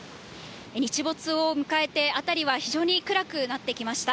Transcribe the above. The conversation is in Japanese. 日没を迎えて、辺りは非常に暗くなってきました。